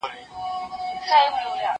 کتابتون د مور له خوا پاکيږي!